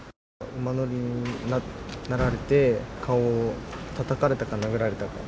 馬乗りになられて、顔をたたかれたか、殴られたか。